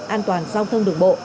an toàn giao thông đường bộ